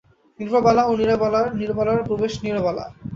নৃপবালা ও নীরবালার প্রবেশ নীরবালা।